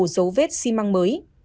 dấu vết xi măng mới